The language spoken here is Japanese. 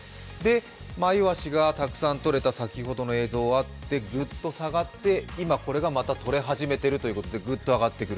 マイワシがたくさんとれた先ほどの映像はグッと下がって、今またこれが取れ始めているということでグッと上がってくる。